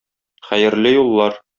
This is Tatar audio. Хәерле юллар!